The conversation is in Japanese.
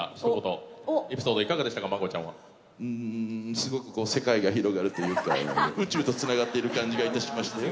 すごく世界が広がるというか宇宙とつながってる感じがいたしましたよ。